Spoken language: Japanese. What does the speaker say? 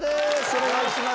お願いします。